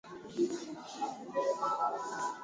alirusha vitu juu ya meli watu wapate cha kushika